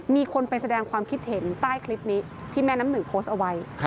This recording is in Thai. มีคนไปแสดงความคิดเห็นใต้คลิปนี้ที่แม่น้ำหนึ่งโพสต์เอาไว้